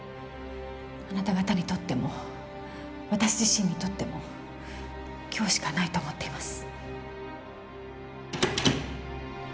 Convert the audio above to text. あなた方にとっても私自身にとっても今日しかないと思っています。